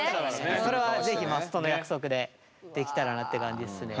それは是非マストの約束でできたらなって感じっすね。